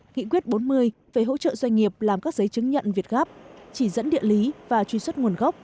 nghị quyết bốn mươi về hỗ trợ doanh nghiệp làm các giấy chứng nhận việt gáp chỉ dẫn địa lý và truy xuất nguồn gốc